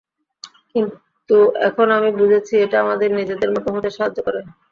কিন্তু এখন আমি বুঝেছি, এটা আমাদের নিজেদের মতো হতে সাহায্য করে।